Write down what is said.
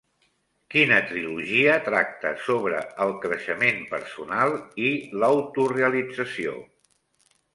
Quina trilogia tracta sobre el creixement personal i l'autorealització?